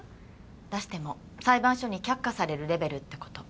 出しても裁判所に却下されるレベルって事。